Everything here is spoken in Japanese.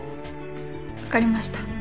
分かりました。